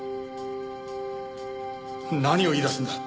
何を言いだすんだ？